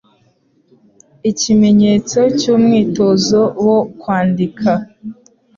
Ikimenyetso cy'umwitozo wo kwandika.